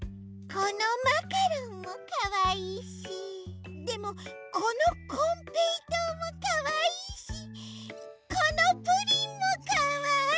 このマカロンもかわいいしでもこのこんぺいとうもかわいいしこのプリンもかわいい！